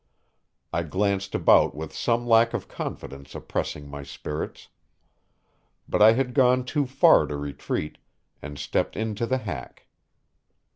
I glanced about with some lack of confidence oppressing my spirits. But I had gone too far to retreat, and stepped into the hack.